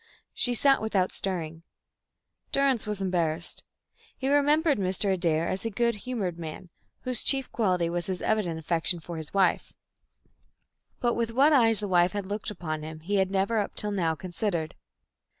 She sat without stirring. Durrance was embarrassed. He remembered Mr. Adair as a good humoured man, whose one chief quality was his evident affection for his wife, but with what eyes the wife had looked upon him he had never up till now considered.